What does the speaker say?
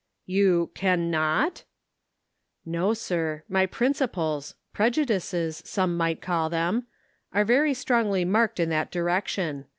" You can not f "" No, sir ; my principles — prejudices some might call them — are very strongly marked in that direction.